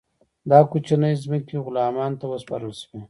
دا کوچنۍ ځمکې غلامانو ته وسپارل شوې.